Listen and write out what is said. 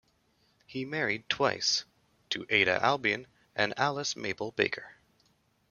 He married twice, to Ada Albion and Alice Mabel Baker.